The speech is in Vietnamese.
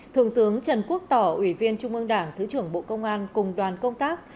thượng tướng trần quốc tỏ ủy viên trung ương đảng thứ trưởng bộ công an cùng đoàn công tác